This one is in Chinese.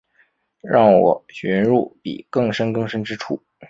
让我遁入比更深更深之处